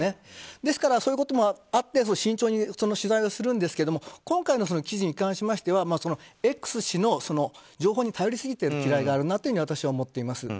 ですからそういうこともあって慎重に取材をするんですが今回の記事に関してはＸ氏の情報に頼りすぎているきらいがあるなと私は思っています。